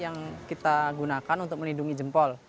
yang kita gunakan untuk menidurkan